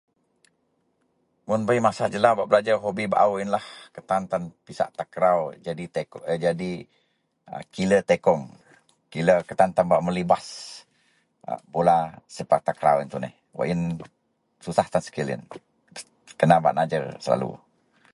akou bak pisak wak isak dagen tepon un, den debei isak wak gak gak luar ien